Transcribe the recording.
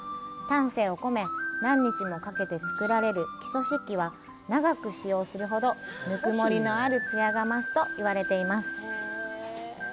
丹精を込め、何日もかけて作られる木曽漆器は、長く使用するほど温もりのある艶が増すと言われています。